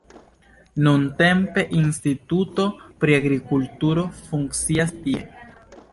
Nuntempe instituto pri agrikulturo funkcias tie.